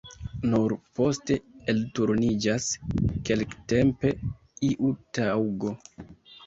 Nur poste elturniĝas kelktempe iu taŭgo.